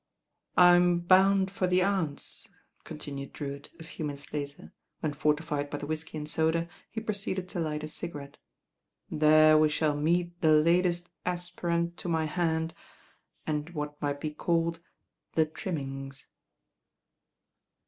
"I'm bound for the Aunt's," continued Drewitt a few minutes later, when, fortified by the whisky and soda, he proceeded to light a cigarette. "There we shall meet the latest aspirant to my hand and what might be called 'the trimmings.'